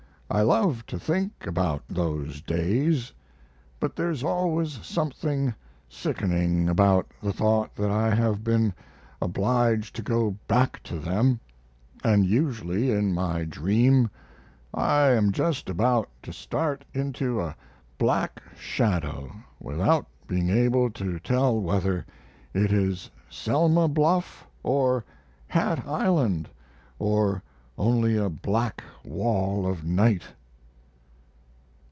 I love to think about those days; but there's always something sickening about the thought that I have been obliged to go back to them; and usually in my dream I am just about to start into a black shadow without being able to tell whether it is Selma bluff, or Hat Island, or only a black wall of night.